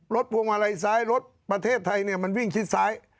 พวงมาลัยซ้ายรถประเทศไทยมันวิ่งชิดซ้าย